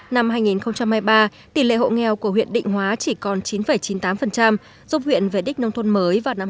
năm hai nghìn hai mươi ba tỷ lệ hộ nghèo của huyện định hóa chỉ còn chín chín mươi tám giúp huyện về đích nông thôn mới vào năm hai nghìn hai mươi